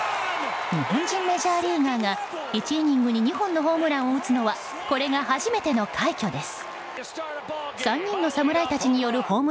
日本人メジャーリーガーが１イニングに２本のホームランを打つのはこれが初めての快挙です。